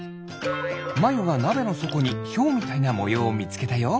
まゆがなべのそこにヒョウみたいなもようをみつけたよ。